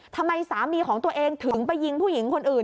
ทำไมสามีของตัวเองถึงไปยิงผู้หญิงคนอื่น